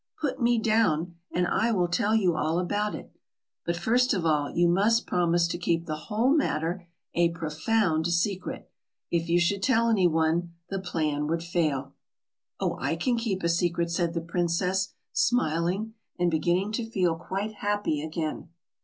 "Put me down, and I will tell you all about it. But first of all you must promise to keep the whole matter a profound secret: if you should tell any one, the plan would fail." "Oh, I can keep a secret," said the princess, smiling, and beginning to feel quite happy again.